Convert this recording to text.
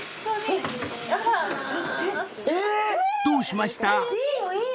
［どうしました？］